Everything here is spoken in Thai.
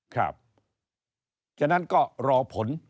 เพราะฉะนั้นก็รอผล